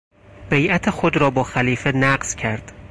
بیعت خود را با خلیفه نقض کرد.